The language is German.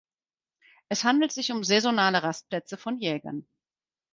Es handelt sich um saisonale Rastplätze von Jägern.